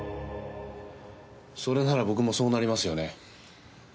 それなら僕もそうなりますよね？